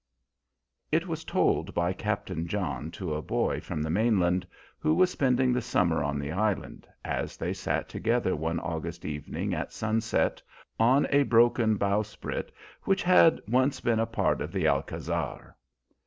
It was told by Captain John to a boy from the mainland who was spending the summer on the Island, as they sat together one August evening at sunset, on a broken bowsprit which had once been a part of the Alcázar.